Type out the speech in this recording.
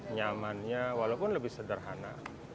nyamannya walaupun lebih sederhana